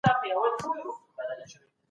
ایا مسلکي بڼوال وچ زردالو پروسس کوي؟